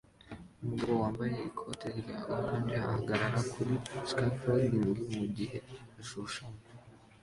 Umugabo wambaye ikoti rya orange ahagarara kuri scafolding mugihe ashushanya